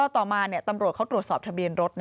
ต่อมาตำรวจเขาตรวจสอบทะเบียนรถนะ